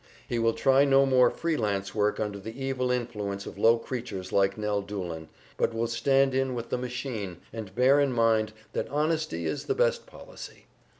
He will try no more free lance work under the evil influence of low creatures like Nell Doolin, but will stand in with the "machine," and bear in mind that honesty is the best policy.